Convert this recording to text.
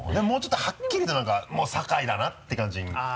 もうちょっとはっきりと何かもう酒井だな！って感じに。